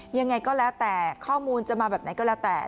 ยังไงก็แล้วแต่ข้อมูลจะมาแบบไหนก็แล้วแต่